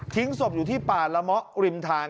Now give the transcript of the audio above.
ทิ้งสมอยู่ที่ป่าละมะริมทาง